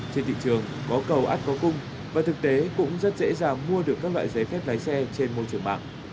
trên thị trường có cầu át có cung và thực tế cũng rất dễ dàng mua được các loại giấy phép lái xe trên môi trường mạng